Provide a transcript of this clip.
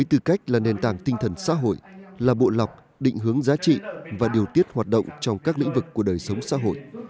tư cách là nền tảng tinh thần xã hội là bộ lọc định hướng giá trị và điều tiết hoạt động trong các lĩnh vực của đời sống xã hội